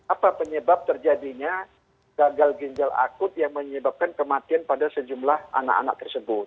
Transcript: apa penyebab terjadinya gagal ginjal akut yang menyebabkan kematian pada sejumlah anak anak tersebut